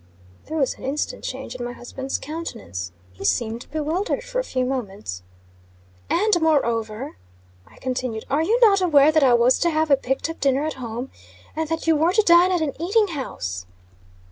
There was an instant change in my husband's countenance. He seemed bewildered for a few moments. "And, moreover," I continued, "are you not aware that I was to have a picked up dinner at home, and that you were to dine at an eating house?"